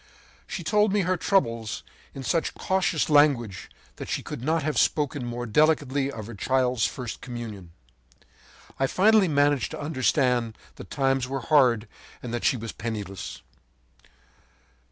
“She told me her troubles in such cautious language that she could not have spoken more delicately of her child's first communion. I finally managed to understand that times were hard, and that she was penniless.